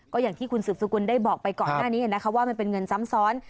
ก็อย่างที่คุณสืบสกุลได้บอกไปก่อนหน้านี้นะคะว่ามันเป็นเงินซ้ำซ้อน